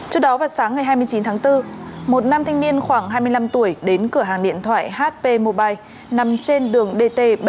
trước đó vào sáng ngày hai mươi chín tháng bốn một nam thanh niên khoảng hai mươi năm tuổi đến cửa hàng điện thoại hp mobile nằm trên đường dt bảy trăm bốn